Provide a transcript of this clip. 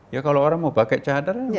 ya kalau orang mau pakai cahadar ya silahkan